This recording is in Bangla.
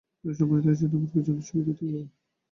তিনি সম্মানিত হয়েছেন, এমনকি জনসংস্কৃতি থেকেও।